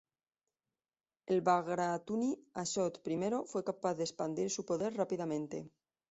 El bagratuni Ashot I fue capaz de expandir su poder rápidamente.